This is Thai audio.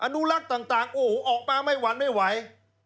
อนุรักษ์ต่างโอ้โหออกมาไม่หวั่นไม่ไหว